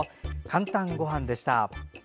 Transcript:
「かんたんごはん」でした。